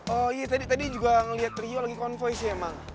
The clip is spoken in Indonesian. oh iya tadi tadi juga ngelihat rio lagi konvoi sih ya bang